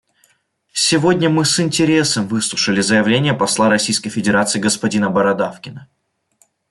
Сегодня мы с интересом выслушали заявление посла Российской Федерации господина Бородавкина.